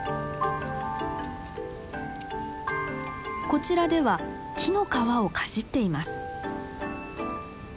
こちらでは木の皮をかじっています。